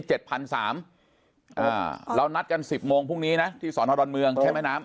แล้วนัดรายการกัน๑๐โมงพรุงนี้นะที่สวนธรรม์ดอนเมืองแคมป์แม้น้ำ